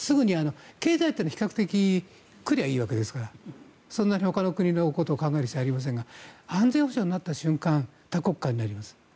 経済というのは比較的来ればいいわけですからそんなにほかの国のことを考える必要はありませんが安全保障になった瞬間多国間になります。